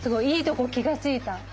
いいとこ気が付いた。